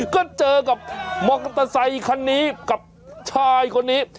ก็เจอกับมอเตอร์ไซคันนี้กับชายคนนี้